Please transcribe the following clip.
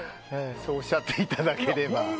そうおっしゃっていただければ。